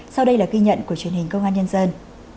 sau đây là ghi nhận của truyền hình công an nhân dân